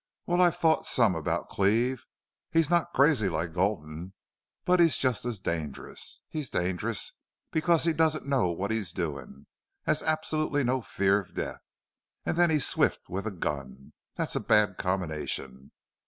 Well, I've thought some about Cleve. He's not crazy like Gulden, but he's just as dangerous. He's dangerous because he doesn't know what he's doing has absolutely no fear of death and then he's swift with a gun. That's a bad combination.